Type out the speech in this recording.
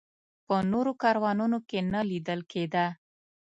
په نورو کاروانونو کې نه لیدل کېده.